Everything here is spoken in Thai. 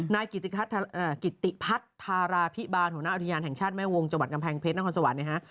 นายกิติพัทธาราพิบาลหัวหน้าอุทยานแห่งชาติแม่วงจกำแพงเพชรน้ำควรสวรรค์เนี่ยค่ะ